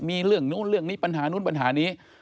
มีเรื่องนู้นเรื่องนี้ปัญหานู้นปัญหานี้